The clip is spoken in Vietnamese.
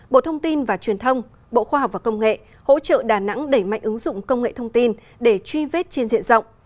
bộ thông tin và truyền thông bộ khoa học và công nghệ hỗ trợ đà nẵng đẩy mạnh ứng dụng công nghệ thông tin để truy vết trên diện rộng